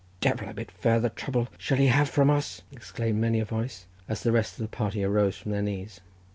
"Divil a bit farther trouble shall he have from us!" exclaimed many a voice, as the rest of the party arose from their knees.